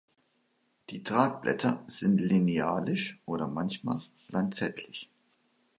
Die Tragblätter sind linealisch oder manchmal lanzettlich.